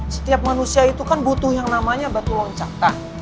setiap manusia itu kan butuh yang namanya batu loncatan